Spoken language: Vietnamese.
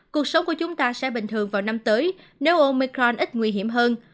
cuộc sống của chúng ta sẽ bình thường vào năm tới nếu omicron ít nguy hiểm hơn